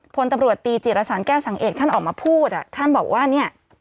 พลตำรวจตีจิตรสารแก้วสังเอกท่านออกมาพูดท่านบอกว่าเนี่ย